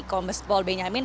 kompes pol benyamin